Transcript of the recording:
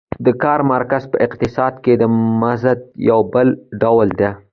د کار مزد په اقتصاد کې د مزد یو بل ډول دی